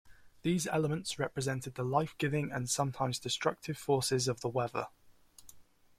These elements represented the life-giving and sometimes destructive forces of the weather.